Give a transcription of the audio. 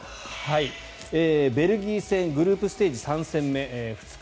ベルギー戦グループステージ３戦目２日